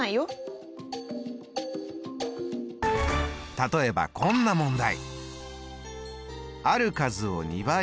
例えばこんな問題。